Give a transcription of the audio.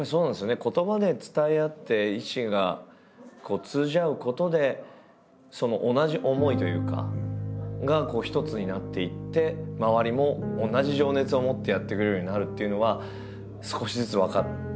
言葉で伝え合って意思が通じ合うことで同じ思いというかが一つになっていって周りも同じ情熱を持ってやってくれるようになるっていうのは少しずつ分かって。